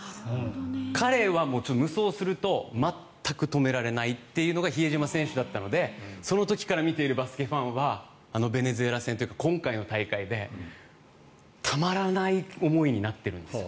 彼は無双すると全く止められないというのが比江島選手だったのでその時から見ているバスケファンはあのベネズエラ戦というか今回の大会でたまらない思いになってるんです。